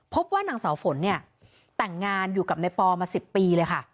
พบว่านางสาวฝนเนี่ยแต่งงานอยู่กับนายปอมา๑๐ปีเลยค่ะ